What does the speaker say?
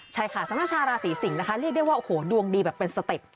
ใช่ค่ะสำหรับชาวราศีสิงศ์นะคะเรียกได้ว่าโอ้โหดวงดีแบบเป็นสเต็ป